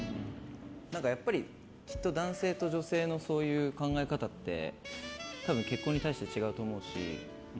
やっぱり、きっと男性と女性のそういう考え方って多分、結婚に対して違うと思うし。